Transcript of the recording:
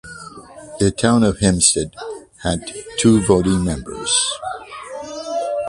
The Town of Hempstead had two voting members.